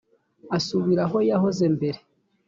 asubira aho yahoze mbere